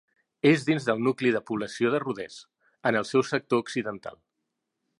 És dins del nucli de població de Rodés, en el seu sector occidental.